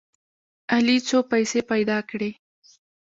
علي څو پیسې پیدا کړې.